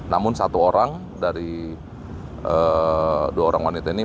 namun satu orang dari dua orang wanita ini